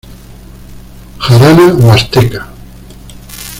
Jarana huasteca.